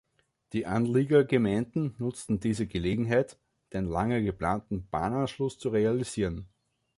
Die Anliegergemeinden nutzten diese Gelegenheit, den lange geplanten Bahnanschluss zu realisieren.